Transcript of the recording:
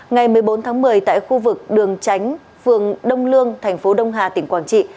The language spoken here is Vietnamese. ngày một mươi bốn tháng một mươi tại khu vực đường tránh phường đông lương thành phố đông hà tỉnh quảng trị